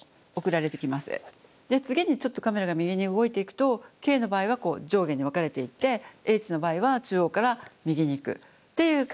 で次にちょっとカメラが右に動いていくとＫの場合は上下に分かれていってＨの場合は中央から右に行くっていう感じなんですね。